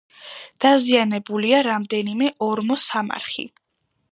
დაზიანებულია რამდენიმე ორმოსამარხი.